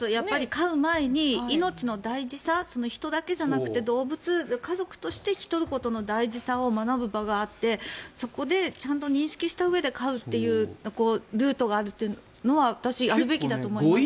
飼う前に命の大事さ人だけじゃなくて動物を家族として引き取ることの大事さを学ぶ場があってそこで認識したうえで飼うというルートがあるというのは私、あるべきだと思います。